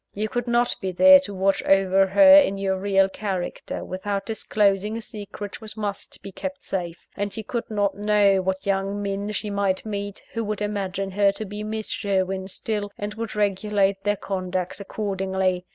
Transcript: You could not be there to watch over her in your real character, without disclosing a secret which must be kept safe; and you could not know what young men she might meet, who would imagine her to be Miss Sherwin still, and would regulate their conduct accordingly.